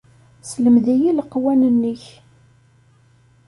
Sselmed-iyi leqwanen-ik.